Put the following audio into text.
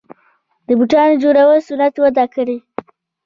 د بوټانو جوړولو صنعت وده کړې